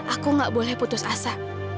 aku gak boleh putus asa